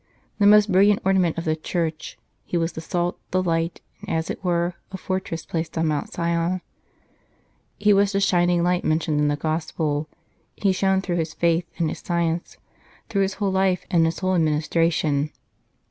The most brilliant ornament of the Church, he was the salt, the light, and as it were a fortress placed on Mount Sion ; he was the shining light mentioned in the Gospel. ... He shone through his faith and his science, through his whole life and his whole administration.